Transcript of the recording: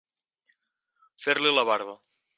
Fer-li la barba.